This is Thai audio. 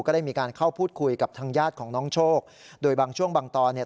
ได้มีการเข้าพูดคุยกับทางญาติของน้องโชคโดยบางช่วงบางตอนเนี่ย